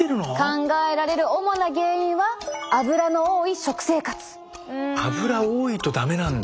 考えられる主な原因はアブラ多いと駄目なんだ！